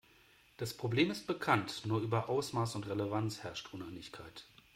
Das Problem ist bekannt, nur über Ausmaß und Relevanz herrscht Uneinigkeit.